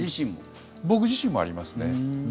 僕自身もありますね。